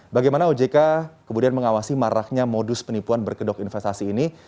bagaimana ojk kemudian mengawasi maraknya modus penipuan berkedok investasi ini